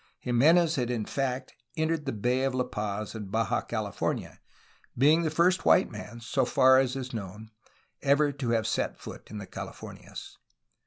Jimenez had in fact entered the Bay of La Paz in Baja California, being CORTES AND CALIFORNIA 51 the first white man, so far as is known, ever to have set foot in the Calif ornias.